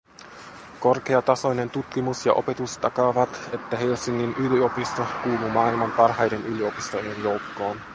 Korkeatasoinen tutkimus ja opetus takaavat, että Helsingin yliopisto kuuluu maailman parhaiden yliopistojen joukkoon.